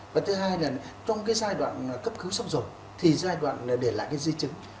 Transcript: và thứ hai là trong giai đoạn cấp cứu xong rồi thì giai đoạn để lại di chứng